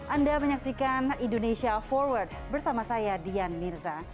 anda menyaksikan indonesia forward bersama saya dian mirza